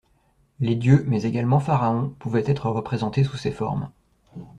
Les dieux mais également Pharaon pouvaient être représentés sous ces formes.